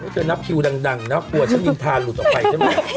เธอนับคิวดังนะกลัวฉันนินทาหลุดออกไปใช่ไหม